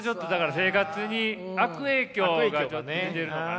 生活に悪影響がちょっと出てるのかな。